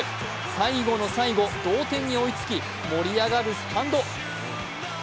最後の最後、同点に追いつき盛り上がるスタンド。